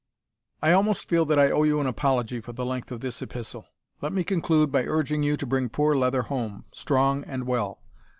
"I almost feel that I owe you an apology for the length of this epistle. Let me conclude by urging you to bring poor Leather home, strong and well.